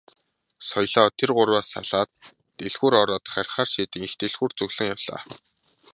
Соёлоо тэр гурваас салаад дэлгүүр ороод харихаар шийдэн их дэлгүүр зүглэн явлаа.